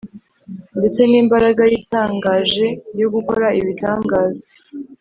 ndetse n’imbaraga ye itangaje yo gukora ibitangaza